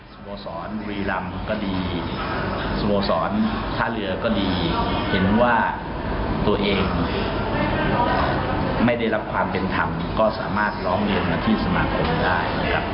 สโมสรบุรีรำก็ดีสโมสรท่าเรือก็ดีเห็นว่าตัวเองไม่ได้รับความเป็นธรรมก็สามารถร้องเรียนมาที่สมาคมได้นะครับ